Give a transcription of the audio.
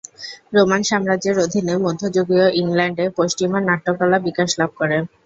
Roman সাম্রাজ্যের অধীনে মধ্যযুগীয় ইংল্যান্ডে পশ্চিমা নাট্যকলা বিকাশ লাভ করে।